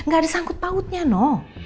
gak ada sangkut pautnya no